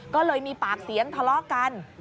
ก็เลยมีปากเสียงทะเลาะกัน